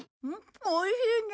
おいしいね！